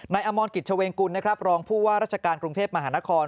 อมรกิจเฉวงกุลนะครับรองผู้ว่าราชการกรุงเทพมหานคร